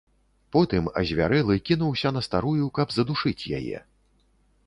Потым, азвярэлы, кінуўся на старую, каб задушыць яе.